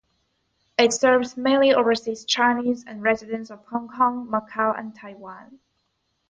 It serves mainly overseas Chinese and residents of Hong Kong, Macau and Taiwan.